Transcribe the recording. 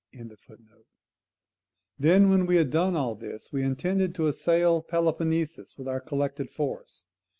] Then, when we had done all this, we intended to assail Peloponnesus with our collected force.